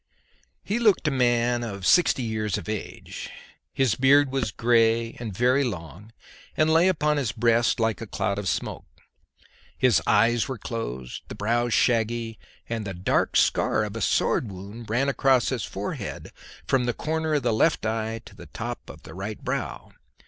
He looked a man of sixty years of age; his beard was grey and very long, and lay upon his breast like a cloud of smoke. His eyes were closed; the brows shaggy, and the dark scar of a sword wound ran across his forehead from the corner of the left eye to the top of the right brow.